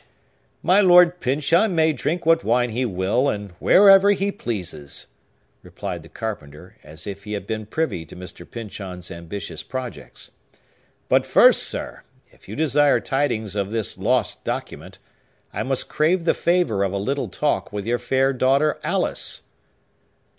"My Lord Pyncheon may drink what wine he will, and wherever he pleases," replied the carpenter, as if he had been privy to Mr. Pyncheon's ambitious projects. "But first, sir, if you desire tidings of this lost document, I must crave the favor of a little talk with your fair daughter Alice."